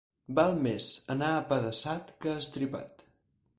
Val més anar apedaçat que estripat.